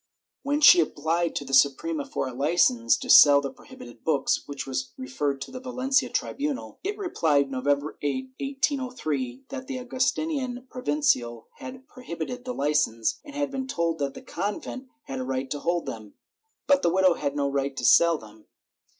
Then she applied to the Suprema for a licence to sell the prohibited books, which was referred to the Valencia tribunal. It repHed, November 8, 1803, that the Augustinian provincial had exhibited the licence, and had been told that the convent had a right to hold them, but the widow had no right to sell them.